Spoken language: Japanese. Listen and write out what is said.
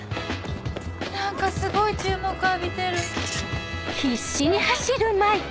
何かすごい注目浴びてるこら！